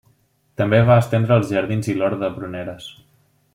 També va estendre els jardins i l'hort de pruneres.